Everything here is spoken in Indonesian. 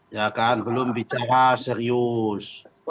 ya kan belum bicara serius